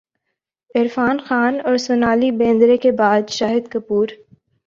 عرفان خان اور سونالی بیندر ے کے بعد شاہد کپور